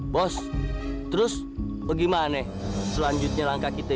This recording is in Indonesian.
bos terus bagaimana selanjutnya langkah kita